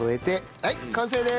はい完成です！